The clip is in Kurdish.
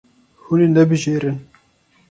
Hûn ê nebijêrin.